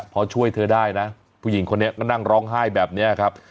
พอช่วยเธอได้นะผู้หญิงคนนี้ก็นั่งร้องไห้แบบนี้ครับ